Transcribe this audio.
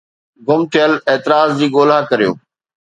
گم ٿيل اعتراض جي ڳولا ڪريو